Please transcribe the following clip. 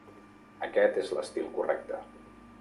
Aquest és l'estil correcte.